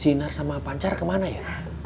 sinar sama pancar kemana ya